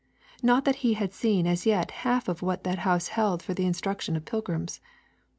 Not that he had seen as yet the half of what that house held for the instruction of pilgrims.